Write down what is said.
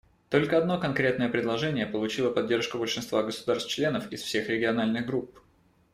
Только одно конкретное предложение получило поддержку большинства государств-членов из всех региональных групп.